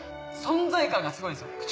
存在感がすごいですよ。